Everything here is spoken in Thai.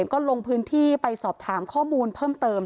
ก็ลงพื้นที่ไปสอบถามข้อมูลเพิ่มเติม